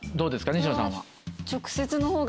西野さんは。